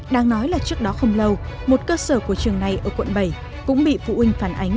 đang nói là trước đó không lâu một cơ sở của trường này ở quận bảy cũng bị phụ huynh phản ánh